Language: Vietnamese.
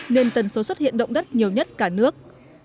nên tần số xuất hiện động đất nhiều nhất cả nước